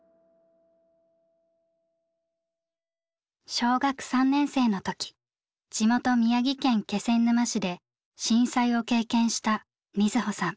小学３年生の時地元宮城県気仙沼市で震災を経験した瑞穂さん。